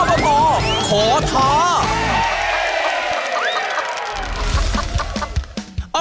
อบตขอท้า